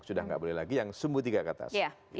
sudah nggak boleh lagi yang sumbu tiga ke atas